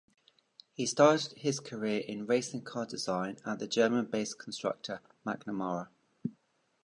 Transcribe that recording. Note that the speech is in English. He started his career in racing car design at the German-based constructor McNamara.